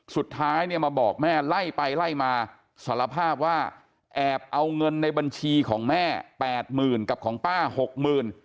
สุดท้ายเนี่ยมาบอกแม่ไล่ไปไล่มาสารภาพว่าแอบเอาเงินในบัญชีของแม่แปดหมื่นกับของป้าหกหมื่น